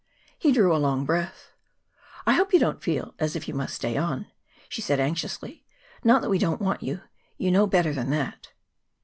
He drew a long breath. "I hope you don't feel as if you must stay on," she said anxiously. "Not that we don't want you you know better than that."